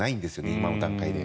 今の段階で。